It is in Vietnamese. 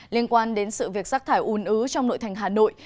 liên quan đến sự việc rác thải ủn ứu trong nội thành hà nội